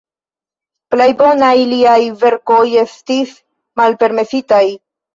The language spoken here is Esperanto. Plej bonaj liaj verkoj estis malpermesitaj.